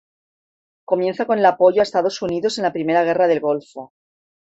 Comienza con el apoyo a Estados Unidos en la Primera Guerra del Golfo.